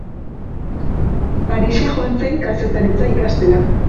Parisa joan zen kazetaritza ikastera.